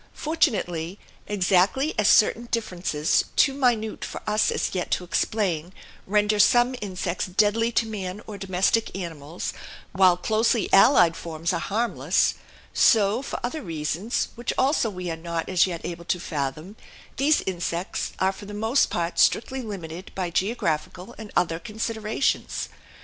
Fortunately, exactly as certain differences too minute for us as yet to explain render some insects deadly to man or domestic animals, while closely allied forms are harmless, so, for other reasons, which also we are not as yet able to fathom, these insects are for the most part strictly limited by geographical and other considerations.